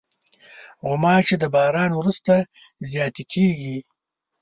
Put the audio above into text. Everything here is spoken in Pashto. غوماشې د باران وروسته زیاتې کېږي.